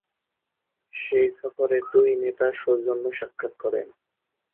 সেই সফরে দুই নেতা সৌজন্য সাক্ষাৎ করেন।